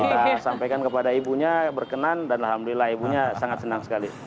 kita sampaikan kepada ibunya berkenan dan alhamdulillah ibunya sangat senang sekali